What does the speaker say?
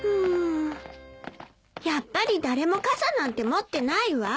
やっぱり誰も傘なんて持ってないわ。